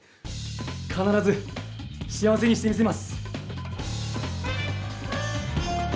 かならず幸せにしてみせます！